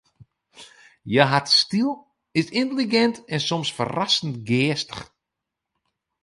Hja hat styl, is yntelligint en soms ferrassend geastich.